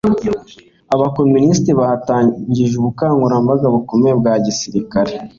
abakomunisiti batangije ubukangurambaga bukomeye bwa gisirikare